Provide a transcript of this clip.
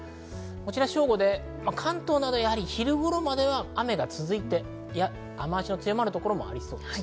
正午で関東などは昼頃までは雨が続いて雨足の強まる所もありそうです。